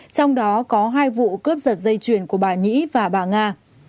trong đó có hai vụ cướp giật dây chuyền của bà nhí và bà nga